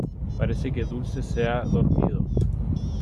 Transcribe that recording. parece que Dulce se ha dormido.